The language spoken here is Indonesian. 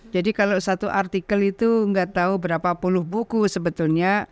jadi kalau satu artikel itu nggak tahu berapa puluh buku sebetulnya